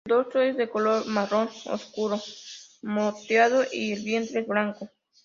El dorso es de color marrón oscuro moteado y el vientre es blanco.